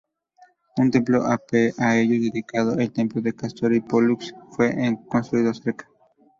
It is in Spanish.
Un templo a ellos dedicado, el templo de Cástor y Pólux, fue construido cerca.